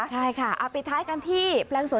ใช่ค่ะปิดท้ายกันที่